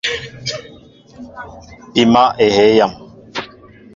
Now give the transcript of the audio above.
Pima ehey yam.